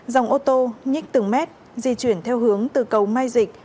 dòng ô tô nhích từng mét di chuyển theo hướng từ cầu mai dịch